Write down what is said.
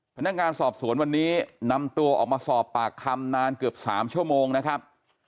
พนักงานสอบสวนวันนี้นำตัวออกมาสอบปากคำนานเกือบ๓ชั่วโมงนะครับ